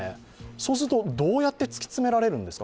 そうすると、どうやってそこは突き詰められるんですか？